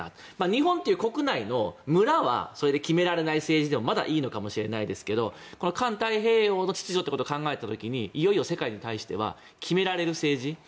日本という国内の村はそれで決められない政治でもまだいいかもしれないけど環太平洋の秩序を考えた時にいよいよ世界に対して決められる政治。